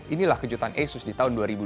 inilah kejutan asus di tahun dua ribu dua puluh